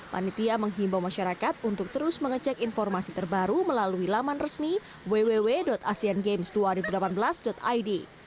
panitia menghimbau masyarakat untuk terus mengecek informasi terbaru melalui laman resmi www asean games dua ribu delapan belas id